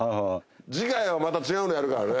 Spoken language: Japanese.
次回はまた違うのやるからね。